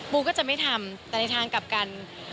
ก็จะไม่ทำแต่ในทางกลับกัน